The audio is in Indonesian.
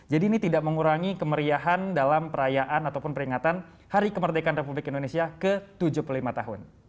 jadi ini tidak mengurangi kemeriahan dalam perayaan ataupun peringatan hari kemerdekaan republik indonesia ke tujuh puluh lima tahun